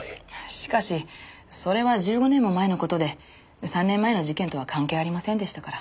しかしそれは１５年も前の事で３年前の事件とは関係ありませんでしたから。